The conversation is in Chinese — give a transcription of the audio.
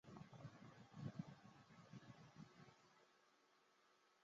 足球员在球场上多次怒骂对方球员，多次迎来黄牌，最后两黄变一红，被逐离场。